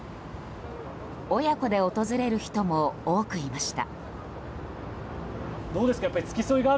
親子で訪れる人も多くいました。